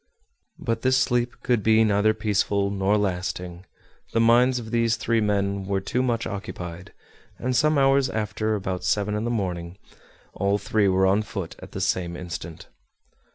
But this sleep could be neither peaceful nor lasting, the minds of these three men were too much occupied, and some hours after, about seven in the morning, all three were on foot at the same instant.